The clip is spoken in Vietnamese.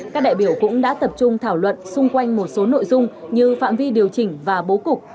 các đại biểu cũng đã tập trung thảo luận xung quanh một số nội dung như phạm vi điều chỉnh và bố cục